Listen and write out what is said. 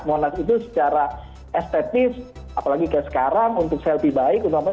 monas itu secara estetis apalagi kayak sekarang untuk saya lebih baik